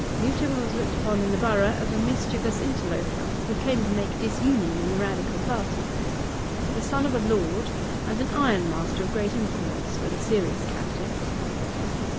Mutimer was looked upon in the borough as a mischievous interloper, who came to make disunion in the Radical party. The son of a lord and an ironmaster of great influence were the serious candidates.